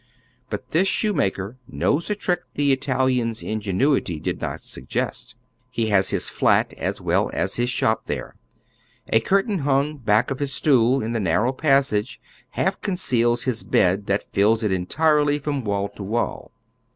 But this shoemaker knows a trick the Italian's ingenuity did not suggest. He lias his " flat " as well as his shop there. A curtain hung back of his stool in the narrow passage Half conceals his bed that fills it entirely from wall to wall.